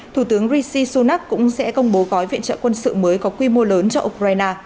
thủ tướng rishi sunak cũng sẽ công bố gói viện trợ quân sự mới có quy mô lợi